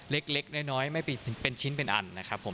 เล็กน้อยไม่เป็นชิ้นเป็นอันนะครับผม